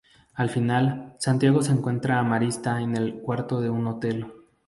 Al final, Santiago encuentra a Marissa en el cuarto de un hotel.